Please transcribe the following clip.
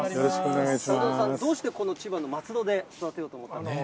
鵜殿さん、どうしてこの千葉の松戸で育てようと思ったんですか。